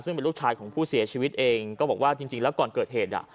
ซึ่งเป็นลูกชายของผู้เสียชีวิตเองก็บอกว่าจริงแล้วก่อนเกิดเหตุ